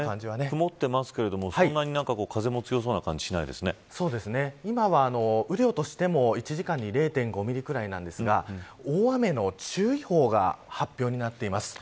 曇ってますけど、そんなに風も強そうな感じは今は雨量としても１時間に０．５ミリぐらいなんですが大雨の注意報が発表になっています。